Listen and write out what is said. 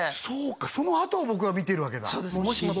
そうかそのあとを僕は見てるわけだそうです